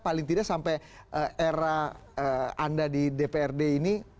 paling tidak sampai era anda di dprd ini